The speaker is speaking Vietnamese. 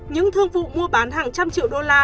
những thương vụ mua bán hàng trăm triệu đô la